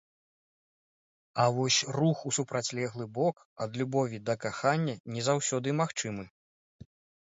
А вось рух у супрацьлеглы бок, ад любові да кахання, не заўсёды магчымы.